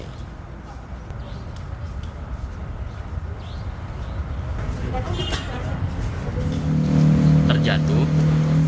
kondisi terikat di bawah terjatuh